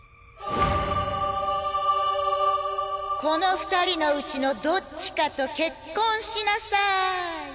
この２人のうちのどっちかと結婚しなさい。